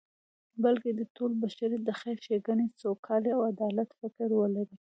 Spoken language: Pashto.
بلکی د ټول بشریت د خیر، ښیګڼی، سوکالی او عدالت فکر ولری